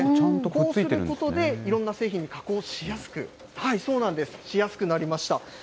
こうすることで、いろんな製品にしやすくなりました。